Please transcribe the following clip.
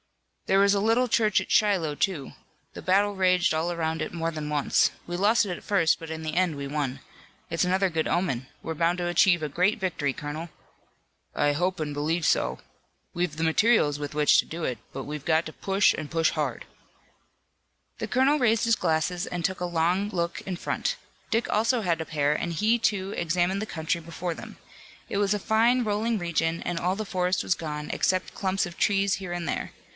"There was a little church at Shiloh, too. The battle raged all around it more than once. We lost it at first, but in the end we won. It's another good omen. We're bound to achieve a great victory, colonel." "I hope and believe so. We've the materials with which to do it. But we've got to push and push hard." The colonel raised his glasses and took a long look in front. Dick also had a pair and he, too, examined the country before them. It was a fine, rolling region and all the forest was gone, except clumps of trees here and there.